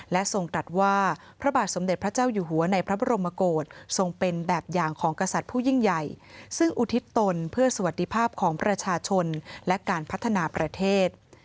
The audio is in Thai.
และทรงตรัสว่าพระบาทสมเด็จพระเจ้าอยู่หัวในพระบรมโกศทรงเป็นแบบอย่างของกษัตริย์ผู้ยิ่งใหญ่ซึ่งอุทิศตนเพื่อสวัสดิภาพของประชาชนและการพัฒนาประเทศ